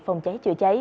phòng cháy chữa cháy